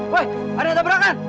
woy ada yang tabrakan